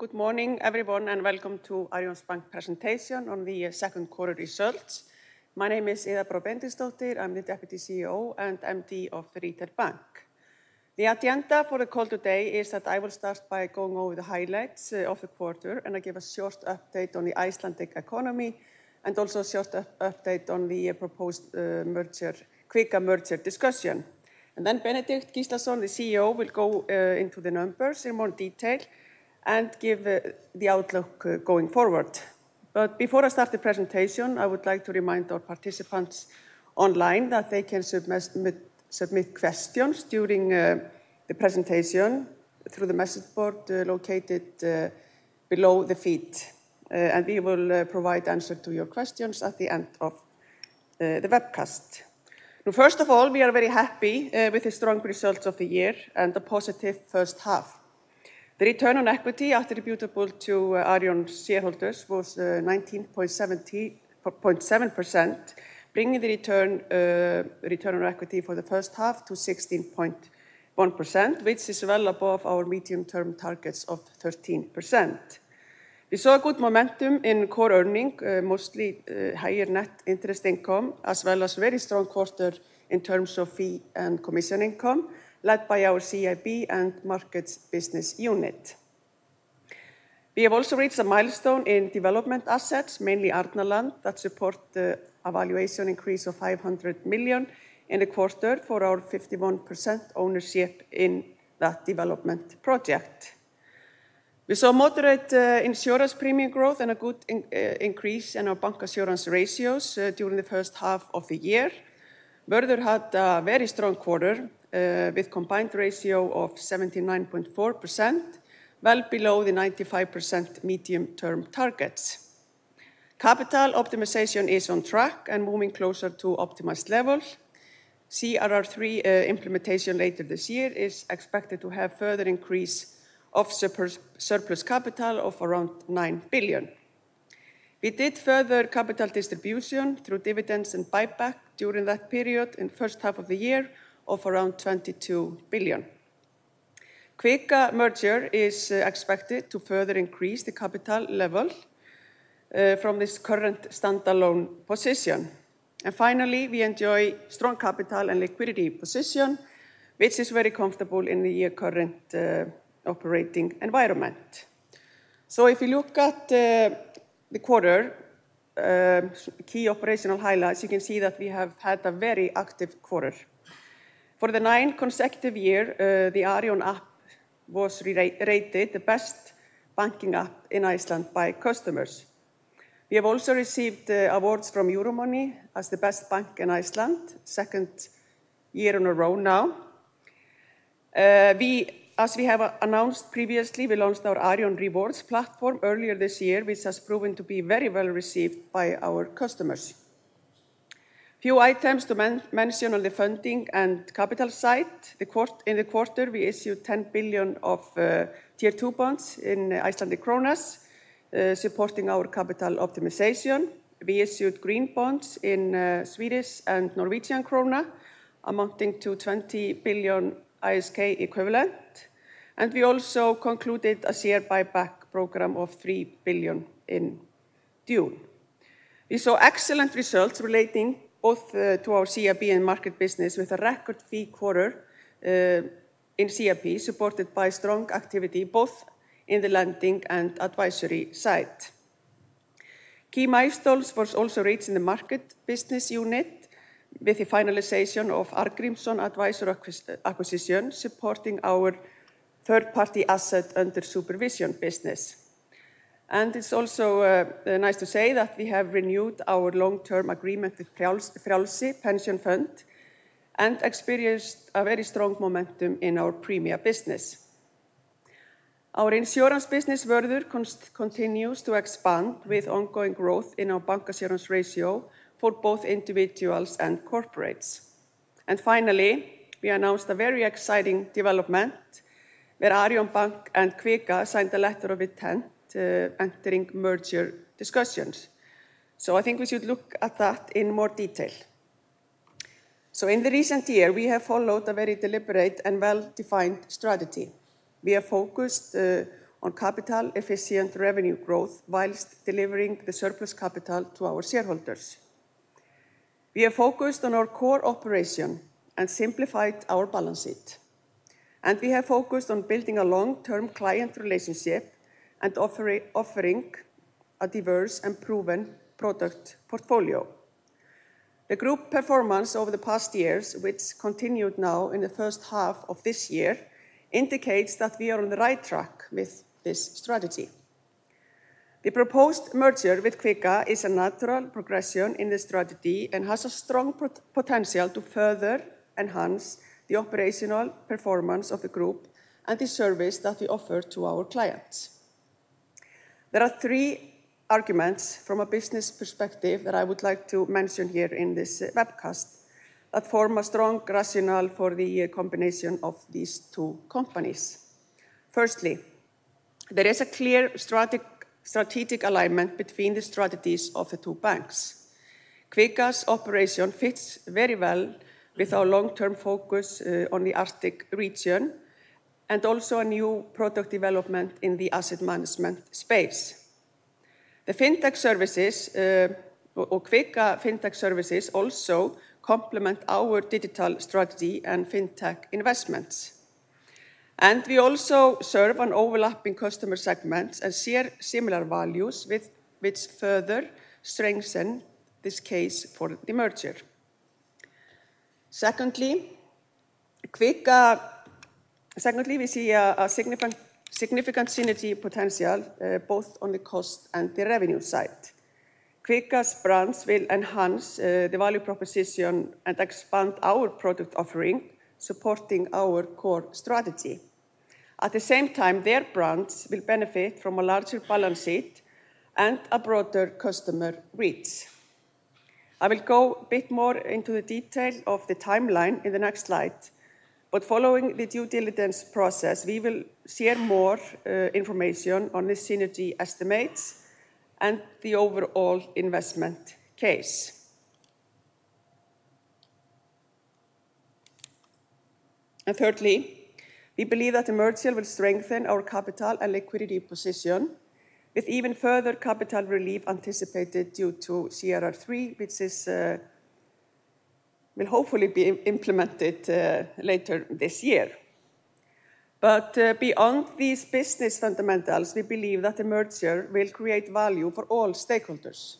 Good morning, everyone, and welcome to Arion banki presentation on the second quarter results. My name is Iða Brá Benediktsdóttir, I'm the Deputy CEO and MD of Arion Banki. The agenda for the call today is that I will start by going over the highlights of the quarter and give a short update on the Icelandic economy and also a short update on the proposed Kvika merger discussion. Then Benedikt Gíslason, the CEO, will go into the numbers in more detail and give the outlook going forward. Before I start the presentation, I would like to remind our participants online that they can submit questions during the presentation through the message board located below the feed. We will provide answers to your questions at the end of the webcast. First of all, we are very happy with the strong results of the year and the positive first half. The return on equity attributable to Arion shareholders was 19.7%, bringing the return on equity for the first half to 16.1%, which is well above our medium-term targets of 13%. We saw good momentum in core earnings, mostly higher net interest income, as well as very strong quarters in terms of fee and commission income, led by our CIB and markets business unit. We have also reached a milestone in development assets, mainly Etnaland, that supports a valuation increase of 500 million in the quarter for our 51% ownership in that development project. We saw moderate insurance premium growth and a good increase in our bancassurance ratios during the first half of the year. Vördur had a very strong quarter with a combined ratio of 79.4%, well below the 95% medium-term targets. Capital optimization is on track and moving closer to optimized levels. CRR3 implementation later this year is expected to have a further increase of surplus capital of around 9 billion. We did further capital distribution through dividends and buyback during that period in the first half of the year of around 22 billion. Kvika merger is expected to further increase the capital level from this current standalone position. Finally, we enjoy a strong capital and liquidity position, which is very comfortable in the current operating environment. If we look at the quarter's key operational highlights, you can see that we have had a very active quarter. For the ninth consecutive year, the Arion app was rated the best banking app in Iceland by customers. We have also received awards from Euromoney as the best bank in Iceland, second year in a row now. As we have announced previously, we launched our Arion Rewards platform earlier this year, which has proven to be very well received by our customers. A few items to mention on the funding and capital side. In the quarter, we issued 10 billion of tier 2 bonds in Icelandic króna, supporting our capital optimization. We issued green bonds in Swedish and Norwegian króna, amounting to 20 billion ISK equivalent. We also concluded a share buyback program of 3 billion in June. We saw excellent results relating both to our CIB and market business, with a record fee quarter in CIB supported by strong activity both in the lending and advisory side. Key milestones were also reached in the market business unit, with the finalization of ArcGrimson Advisor acquisition supporting our third-party asset under supervision business. It's also nice to say that we have renewed our long-term agreement with Frjálsi, pension fund, and experienced a very strong momentum in our premia business. Our insurance business further continues to expand with ongoing growth in our bank assurance ratio for both individuals and corporates. Finally, we announced a very exciting development where Arion banki and Kvika signed a letter of intent entering merger discussions. I think we should look at that in more detail. In the recent year, we have followed a very deliberate and well-defined strategy. We have focused on capital-efficient revenue growth whilst delivering the surplus capital to our shareholders. We have focused on our core operation and simplified our balance sheet. We have focused on building a long-term client relationship and offering a diverse and proven product portfolio. The group performance over the past years, which continued now in the first half of this year, indicates that we are on the right track with this strategy. The proposed merger with Kvika is a natural progression in the strategy and has a strong potential to further enhance the operational performance of the group and the service that we offer to our clients. There are three arguments from a business perspective that I would like to mention here in this webcast that form a strong rationale for the combination of these two companies. Firstly, there is a clear strategic alignment between the strategies of the two banks. Kvika's operation fits very well with our long-term focus on the Arctic region and also new product development in the asset management space. The fintech services or Kvika fintech services also complement our digital strategy and fintech investments. We also serve an overlapping customer segment and share similar values, which further strengthen this case for the merger. Secondly, we see significant synergy potential both on the cost and the revenue side. Kvika's brands will enhance the value proposition and expand our product offering, supporting our core strategy. At the same time, their brands will benefit from a larger balance sheet and a broader customer reach. I will go a bit more into the detail of the timeline in the next slide, but following the due diligence process, we will share more information on the synergy estimates and the overall investment case. Thirdly, we believe that the merger will strengthen our capital and liquidity position, with even further capital relief anticipated due to CRR3, which will hopefully be implemented later this year. Beyond these business fundamentals, we believe that the merger will create value for all stakeholders.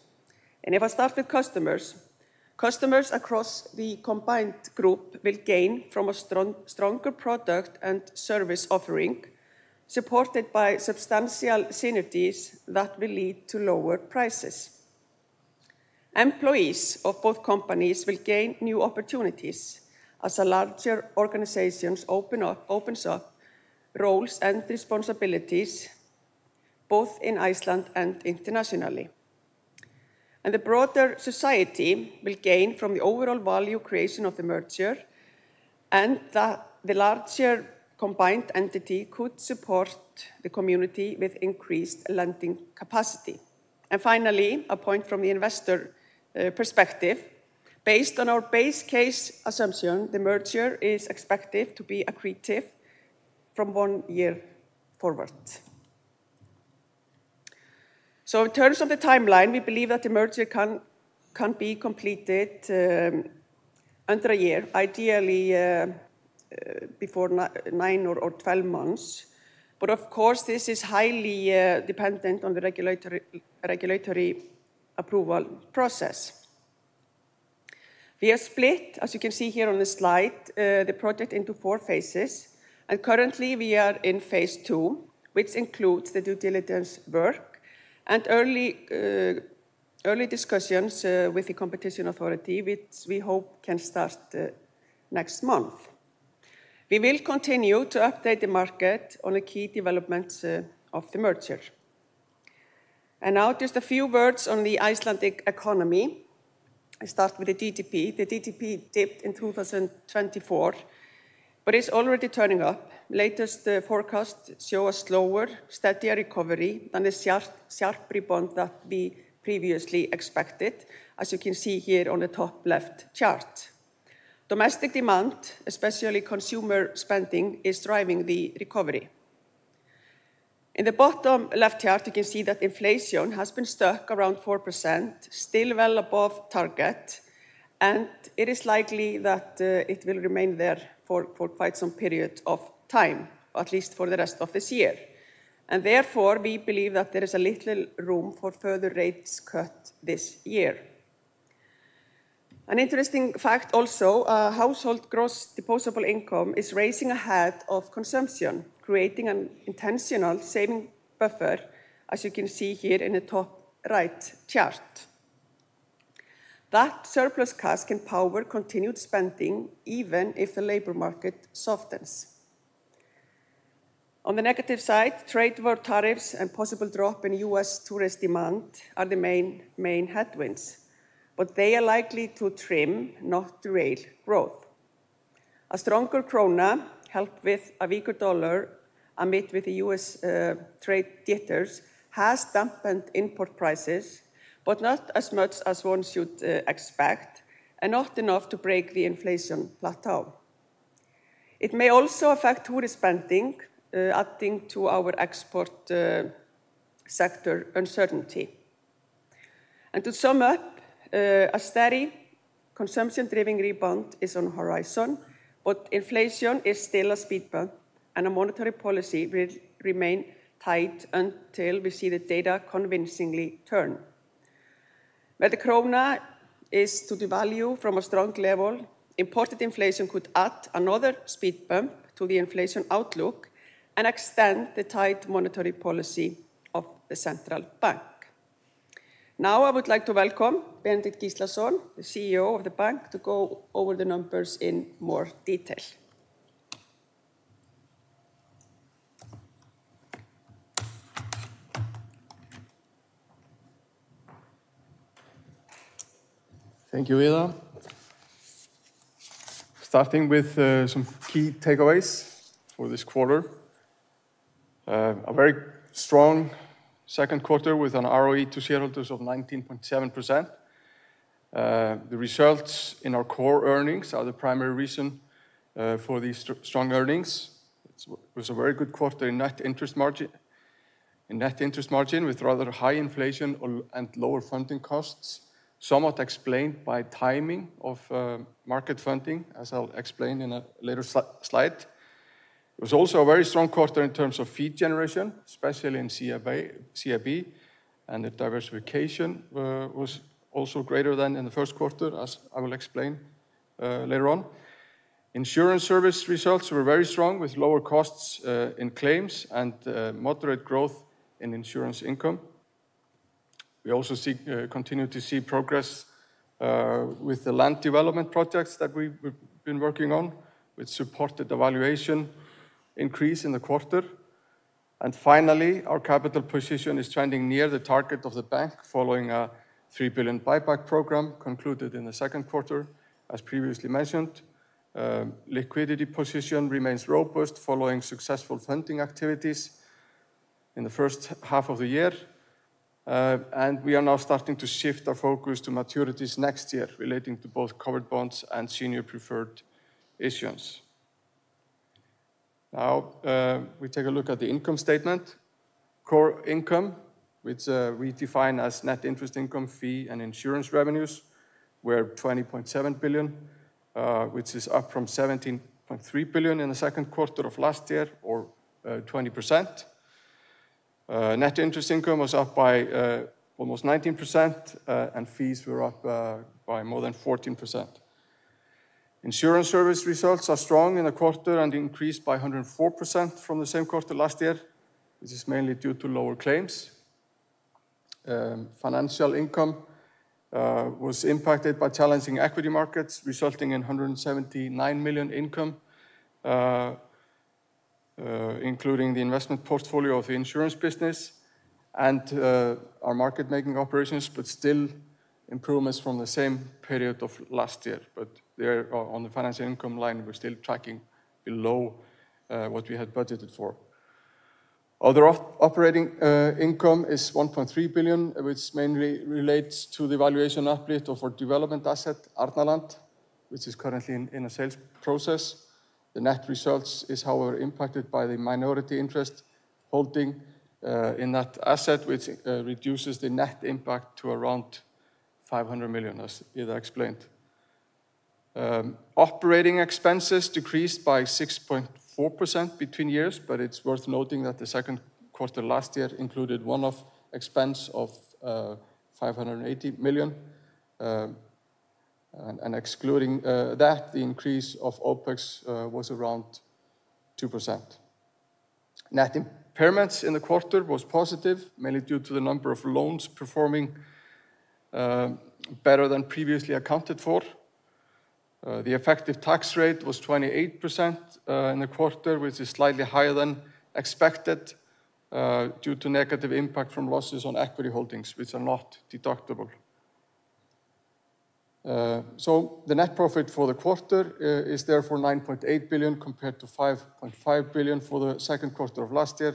If I start with customers, customers across the combined group will gain from a stronger product and service offering supported by substantial synergies that will lead to lower prices. Employees of both companies will gain new opportunities as a larger organization opens up roles and responsibilities, both in Iceland and internationally. The broader society will gain from the overall value creation of the merger, and the larger combined entity could support the community with increased lending capacity. Finally, a point from the investor perspective, based on our base case assumption, the merger is expected to be accretive from one year forward. In terms of the timeline, we believe that the merger can be completed under a year, ideally, before nine or 12 months, but of course, this is highly dependent on the regulatory approval process. We have split, as you can see here on the slide, the project into four phases. Currently, we are in phase two, which includes the due diligence work and early discussions with the competition authority, which we hope can start next month. We will continue to update the market on the key developments of the merger. Now, just a few words on the Icelandic economy. I start with the GDP. The GDP dipped in 2024, but it's already turning up. Latest forecasts show a slower, steadier recovery than the sharp rebound that we previously expected, as you can see here on the top left chart. Domestic demand, especially consumer spending, is driving the recovery. In the bottom left chart, you can see that inflation has been stuck around 4%, still well above target, and it is likely that it will remain there for quite some period of time, at least for the rest of this year. Therefore, we believe that there is a little room for further rate cuts this year. An interesting fact also, household gross depositable income is rising ahead of consumption, creating an intentional savings buffer, as you can see here in the top right chart. That surplus cash can power continued spending even if the labor market softens. On the negative side, trade war tariffs and possible drop in U.S. tourist demand are the main headwinds, but they are likely to trim, not to raise growth. A stronger krona, helped with a weaker dollar, amid the U.S. trade theaters, has dampened import prices, but not as much as one should expect and not enough to break the inflation plateau. It may also affect tourist spending, adding to our export sector uncertainty. To sum up, a steady consumption-driven rebound is on the horizon, but inflation is still a speed bump, and monetary policy will remain tight until we see the data convincingly turn. While the krona is to devalue from a strong level, imported inflation could add another speed bump to the inflation outlook and extend the tight monetary policy of the central bank. Now, I would like to welcome Benedikt Gíslason the CEO of the bank, to go over the numbers in more detail. Thank you, Iða. Starting with some key takeaways for this quarter. A very strong second quarter with an ROE to shareholders of 19.7%. The results in our core earnings are the primary reason for these strong earnings. It was a very good quarter in net interest margin, with rather high inflation and lower funding costs, somewhat explained by timing of market funding, as I'll explain in a later slide. It was also a very strong quarter in terms of fee generation, especially in CIB, and the diversification was also greater than in the first quarter, as I will explain later on. Insurance service results were very strong, with lower costs in claims and moderate growth in insurance income. We also continue to see progress with the land development projects that we've been working on, with supported valuation increase in the quarter. Finally, our capital position is trending near the target of the bank, following a 3 billion buyback program concluded in the second quarter, as previously mentioned. Liquidity position remains robust following successful funding activities in the first half of the year. We are now starting to shift our focus to maturities next year, relating to both covered bonds and senior preferred issuance. Now, we take a look at the income statement. Core income, which we define as net interest income, fee, and insurance revenues, were 20.7 billion, which is up from 17.3 billion in the second quarter of last year, or 20%. Net interest income was up by almost 19%, and fees were up by more than 14%. Insurance service results are strong in the quarter and increased by 104% from the same quarter last year. This is mainly due to lower claims. Financial income was impacted by challenging equity markets, resulting in 179 million income, including the investment portfolio of the insurance business and our market-making operations, still improvements from the same period of last year. On the financial income line, we're still tracking below what we had budgeted for. Other operating income is 1.3 billion, which mainly relates to the valuation uplift of our development asset, Etnaland development project, which is currently in a sales process. The net results are however impacted by the minority interest holding in that asset, which reduces the net impact to around 500 million, as I explained. Operating expenses decreased by 6.4% between years, but it's worth noting that the second quarter last year included a one-off expense of 580 million. Excluding that, the increase of OpEx was around 2%. Net impairments in the quarter were positive, mainly due to the number of loans performing better than previously accounted for. The effective tax rate was 28% in the quarter, which is slightly higher than expected due to negative impact from losses on equity holdings, which are not deductible. The net profit for the quarter is therefore 9.8 billion compared to 5.5 billion for the second quarter of last year.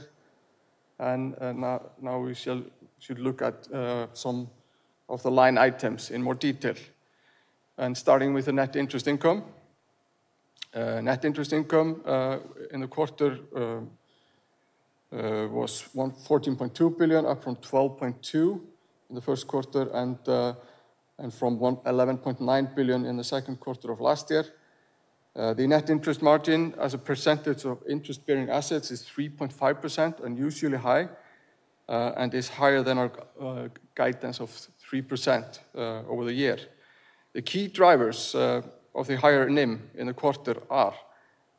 Now, we should look at some of the line items in more detail. Starting with the net interest income, net interest income in the quarter was 14.2 billion, up from 12.2 billion in the first quarter, and from 11.9 billion in the second quarter of last year. The net interest margin as a percentage of interest-bearing assets is 3.5% and usually high, and it's higher than our guidance of 3% over the year. The key drivers of the higher NIM in the quarter are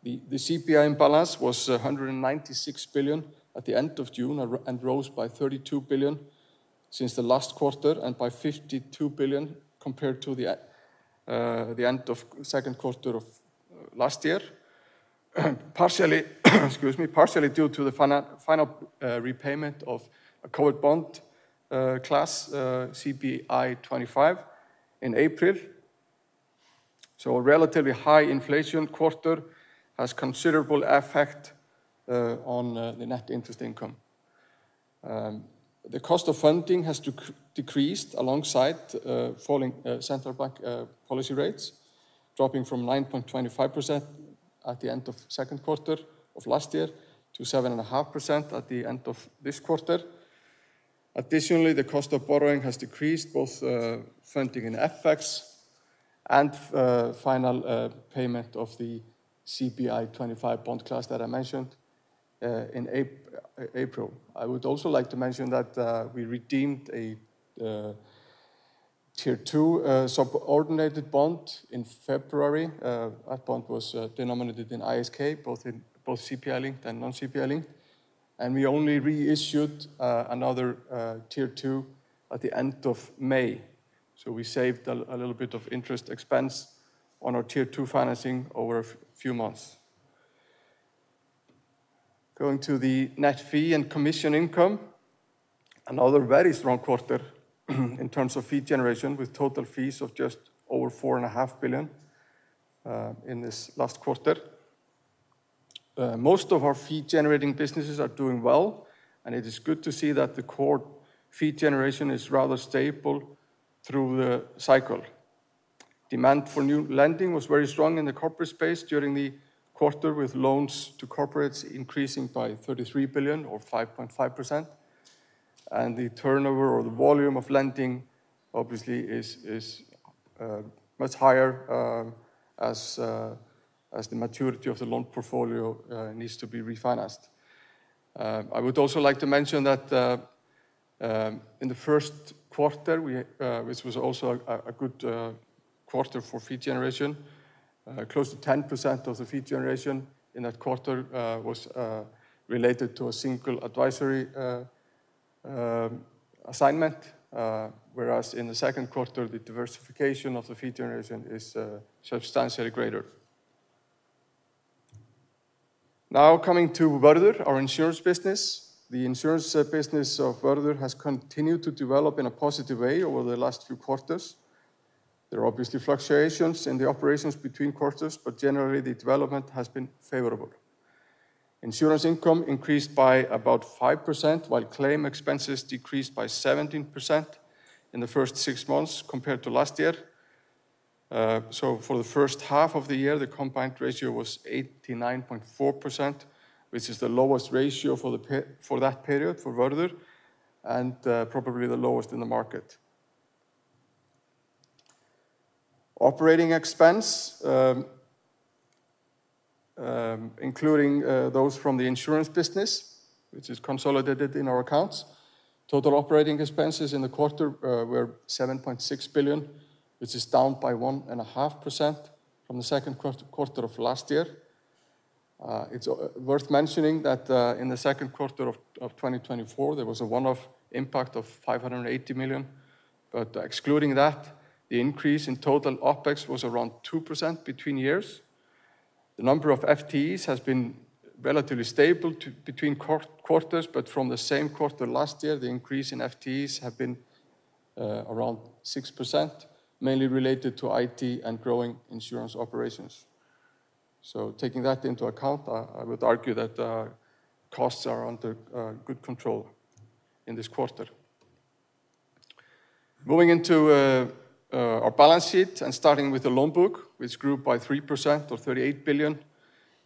the CPI imbalance was 196 billion at the end of June and rose by 32 billion since the last quarter and by 52 billion compared to the end of the second quarter of last year, partially due to the final repayment of a covered bond class, CPI 25, in April. A relatively high inflation quarter has considerable effect on the net interest income. The cost of funding has decreased alongside falling central bank policy rates, dropping from 9.25% at the end of the second quarter of last year to 7.5% at the end of this quarter. Additionally, the cost of borrowing has decreased, both funding and FX, and the final payment of the CPI 25 bond class that I mentioned in April. I would also like to mention that we redeemed a tier 2 subordinated bond in February. That bond was denominated in ISK, both CPI linked and non-CPI linked. We only reissued another tier 2 at the end of May. We saved a little bit of interest expense on our tier 2 financing over a few months. Going to the net fee and commission income, another very strong quarter in terms of fee generation, with total fees of just over 4.5 billion in this last quarter. Most of our fee-generating businesses are doing well, and it is good to see that the core fee generation is rather stable through the cycle. Demand for new lending was very strong in the corporate space during the quarter, with loans to corporates increasing by 33 billion, or 5.5%. The turnover or the volume of lending obviously is much higher as the maturity of the loan portfolio needs to be refinanced. I would also like to mention that in the first quarter, which was also a good quarter for fee generation, close to 10% of the fee generation in that quarter was related to a single advisory assignment, whereas in the second quarter, the diversification of the fee generation is substantially greater. Now, coming to Vörður, our insurance business. The insurance business of Vörður has continued to develop in a positive way over the last few quarters. There are obviously fluctuations in the operations between quarters, but generally, the development has been favorable. Insurance income increased by about 5%, while claim expenses decreased by 17% in the first six months compared to last year. For the first half of the year, the combined ratio was 89.4%, which is the lowest ratio for that period for Vörður and probably the lowest in the market. Operating expense, including those from the insurance business, which is consolidated in our accounts, total operating expenses in the quarter were 7.6 billion, which is down by 1.5% from the second quarter of last year. It's worth mentioning that in the second quarter of 2024, there was a one-off impact of 580 million, but excluding that, the increase in total OpEx was around 2% between years. The number of FTEs has been relatively stable between quarters, but from the same quarter last year, the increase in FTEs had been around 6%, mainly related to IT and growing insurance operations. Taking that into account, I would argue that costs are under good control in this quarter. Moving into our balance sheet and starting with the loan book, which grew by 3%, or 38 billion,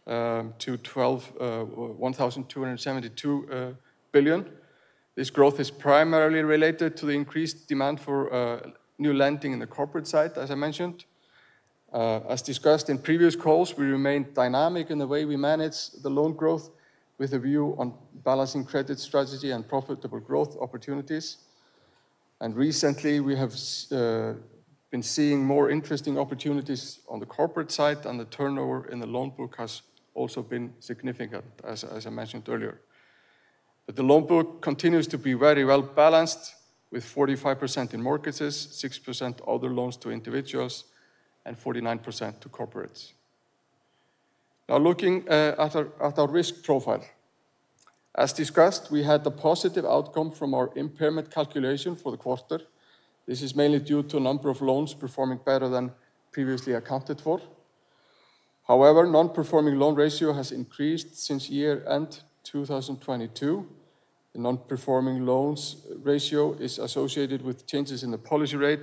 to 1,272 billion. This growth is primarily related to the increased demand for new lending in the corporate side, as I mentioned. As discussed in previous calls, we remain dynamic in the way we manage the loan growth with a view on balancing credit strategy and profitable growth opportunities. Recently, we have been seeing more interesting opportunities on the corporate side, and the turnover in the loan book has also been significant, as I mentioned earlier. The loan book continues to be very well balanced, with 45% in mortgages, 6% other loans to individuals, and 49% to corporates. Now, looking at our risk profile, as discussed, we had a positive outcome from our impairment calculation for the quarter. This is mainly due to a number of loans performing better than previously accounted for. However, the non-performing loan ratio has increased since year-end 2022. The non-performing loans ratio is associated with changes in the policy rate,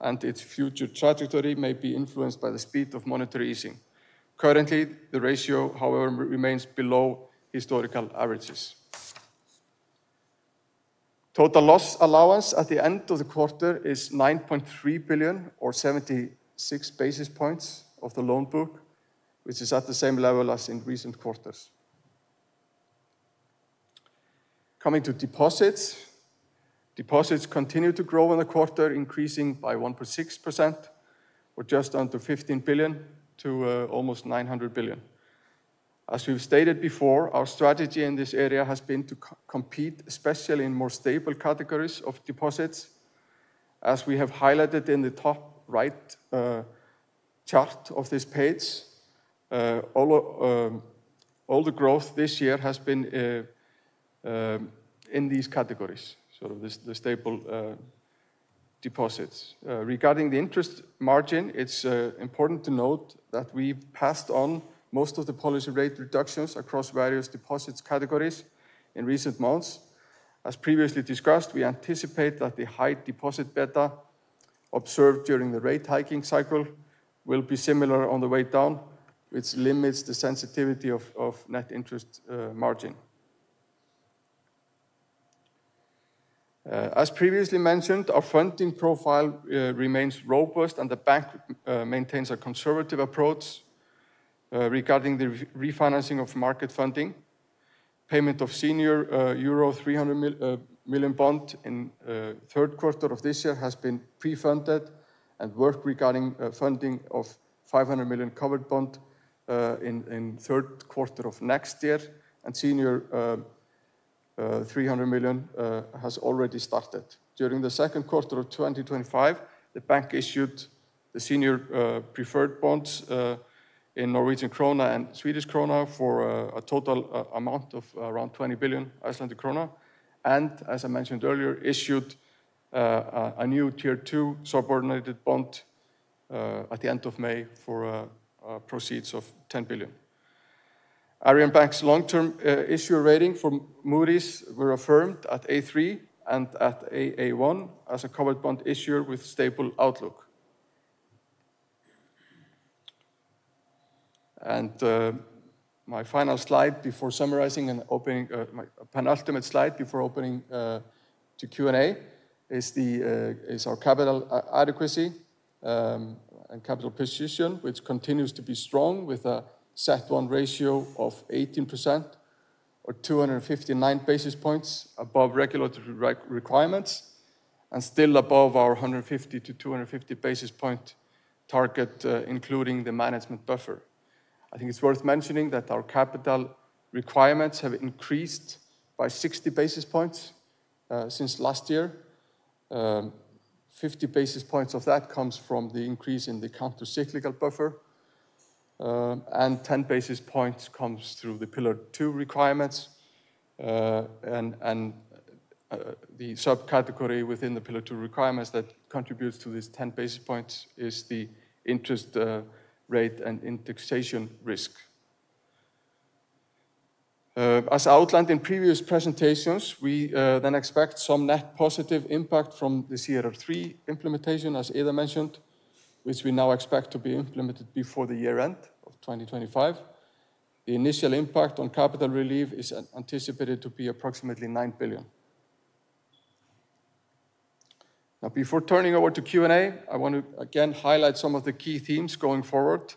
and its future trajectory may be influenced by the speed of monetary easing. Currently, the ratio, however, remains below historical averages. Total loss allowance at the end of the quarter is 9.3 billion, or 76 basis points of the loan book, which is at the same level as in recent quarters. Coming to deposits, deposits continue to grow in the quarter, increasing by 1.6%. We're just down to 15 billion to almost 900 billion. As we've stated before, our strategy in this area has been to compete, especially in more stable categories of deposits. As we have highlighted in the top right chart of this page, all the growth this year has been in these categories, the stable deposits. Regarding the interest margin, it's important to note that we've passed on most of the policy rate reductions across various deposit categories in recent months. As previously discussed, we anticipate that the high deposit beta observed during the rate hiking cycle will be similar on the way down, which limits the sensitivity of net interest margin. As previously mentioned, our funding profile remains robust, and the bank maintains a conservative approach regarding the refinancing of market funding. Payment of senior euro 300 million bond in the third quarter of this year has been pre-funded, and work regarding funding of 500 million covered bond in the third quarter of next year, and senior 300 million has already started. During the second quarter of 2025, the bank issued the senior preferred bonds in Norwegian króna and Swedish króna for a total amount of around 20 billion Icelandic krona, and as I mentioned earlier, issued a new tier 2 subordinated bond at the end of May for proceeds of 10 billion. Arion banki long-term issuer rating from Moody’s were affirmed at A3 and at A1 as a covered bond issuer with stable outlook. My penultimate slide before opening to Q&A is our capital adequacy and capital position, which continues to be strong with a CET1 ratio of 18%, or 259 basis points above regulatory requirements and still above our 150-250 basis point target, including the management buffer. I think it's worth mentioning that our capital requirements have increased by 60 basis points since last year. 50 basis points of that comes from the increase in the countercyclical buffer, and 10 basis points come through the Pillar 2 requirements. The subcategory within the Pillar 2 requirements that contributes to these 10 basis points is the interest rate and indexation risk. As outlined in previous presentations, we then expect some net positive impact from the CRR3 implementation, as Ida mentioned, which we now expect to be implemented before the year-end of 2025. The initial impact on capital relief is anticipated to be approximately 9 billion. Now, before turning over to Q&A, I want to again highlight some of the key themes going forward.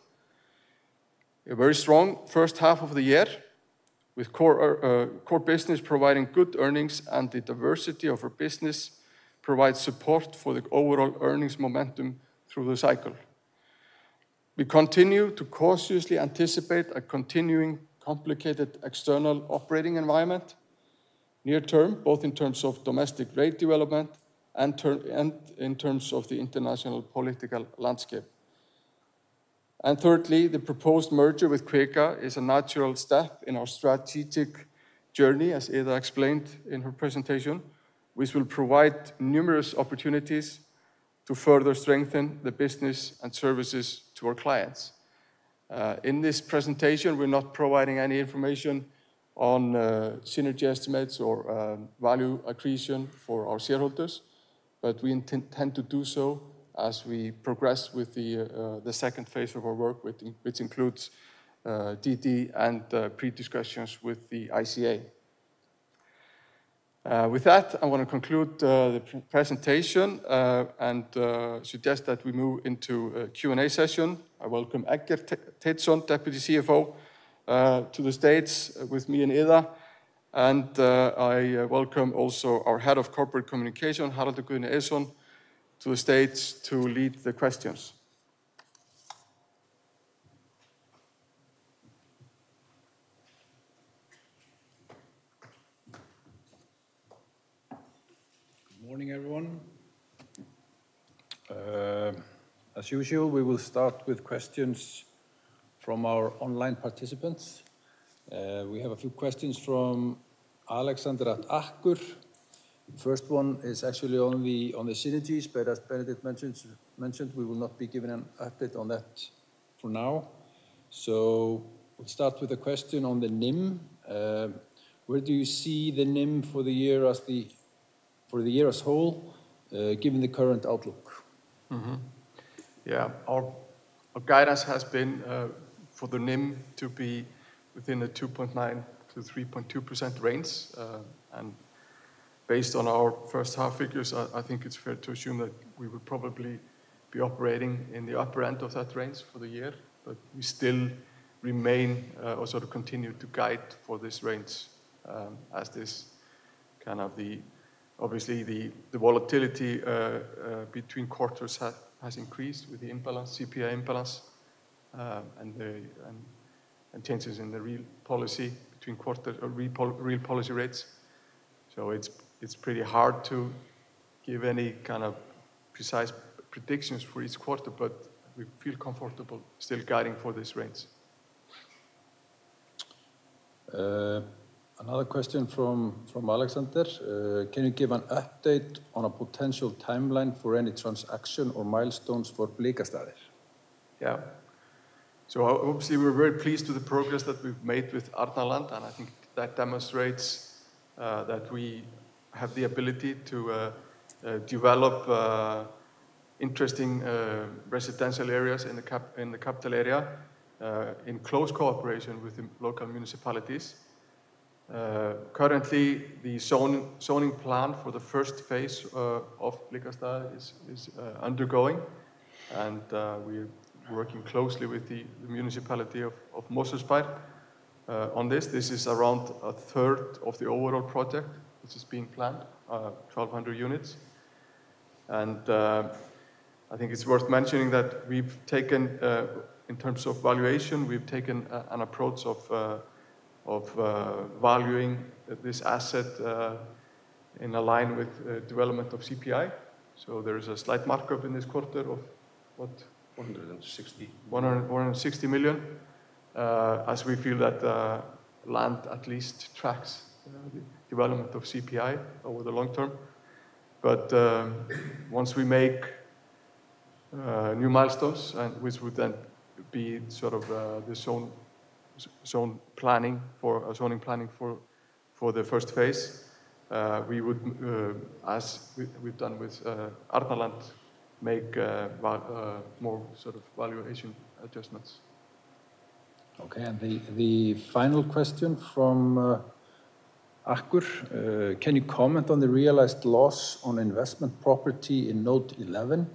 A very strong first half of the year, with core business providing good earnings, and the diversity of our business provides support for the overall earnings momentum through the cycle. We continue to cautiously anticipate a continuing complicated external operating environment near term, both in terms of domestic rate development and in terms of the international political landscape. Thirdly, the proposed merger with Kvika is a natural step in our strategic journey, as Ida explained in her presentation, which will provide numerous opportunities to further strengthen the business and services to our clients. In this presentation, we're not providing any information on synergy estimates or value accretion for our shareholders, but we intend to do so as we progress with the second phase of our work, which includes due diligence and pre-discussions with the ICA. With that, I want to conclude the presentation and suggest that we move into a Q&A session. I welcome [Egg Tetson], Deputy CFO, to the stage with me and Iða, and I welcome also our Head of Corporate Communication, Haraldur Gudni Eidísson, to the stage to lead the questions. Morning everyone. As usual, we will start with questions from our online participants. We have a few questions from Alexander. The first one is actually only on the synergies, but as Benedikt mentioned, we will not be giving an update on that for now. We'll start with a question on the NIM. Where do you see the NIM for the year as a whole, given the current outlook? Yeah, our guidance has been for the NIM to be within the 2.9%-3.2% range. Based on our first half figures, I think it's fair to assume that we would probably be operating in the upper end of that range for the year. We still remain or sort of continue to guide for this range, as obviously the volatility between quarters has increased with the CPI imbalance and changes in the real policy between quarters or real policy rates. It's pretty hard to give any kind of precise predictions for each quarter, but we feel comfortable still guiding for this range. Another question from Alexander. Can you give an update on a potential timeline for any transaction or milestones for Blikastaðir? Yeah, so obviously we're very pleased with the progress that we've made with Etnaland, and I think that demonstrates that we have the ability to develop interesting residential areas in the capital area in close cooperation with local municipalities. Currently, the zoning plan for the first phase of Blikastaðir is undergoing, and we're working closely with the municipality of Mosfellsbær on this. This is around a third of the overall project which is being planned, 1,200 units. I think it's worth mentioning that we've taken, in terms of valuation, we've taken an approach of valuing this asset in alignment with the development of CPI. There is a slight markup in this quarter of 160 million, as we feel that land at least tracks the development of CPI over the long term. Once we make new milestones, which would then be sort of the zone planning for the first phase, we would, as we've done with Etnaland, make more sort of valuation adjustments. Okay, the final question from Akkur: Can you comment on the realized loss on investment property in note 11?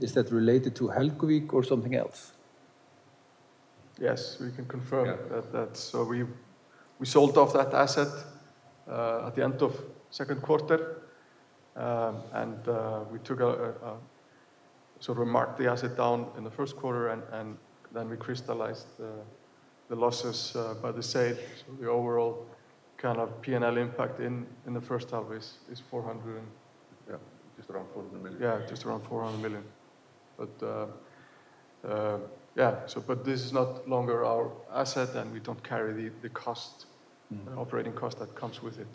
Is that related to Helguvik or something else? Yes, we can confirm that. We sold off that asset at the end of the second quarter, and we took a sort of marked the asset down in the first quarter, and then we crystallized the losses by the sale. The overall kind of P&L impact in the first half is 400 million. Yeah, just around 400 million. Yeah, just around 400 million. This is not longer our asset, and we don't carry the operating cost that comes with it.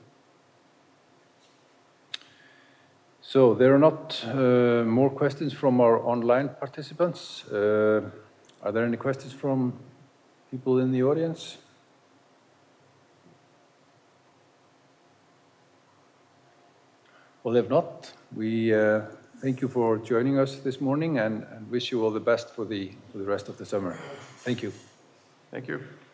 There are not more questions from our online participants. Are there any questions from people in the audience? If not, we thank you for joining us this morning and wish you all the best for the rest of the summer. Thank you. Thank you.